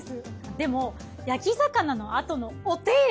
でも焼魚のあとのお手入れ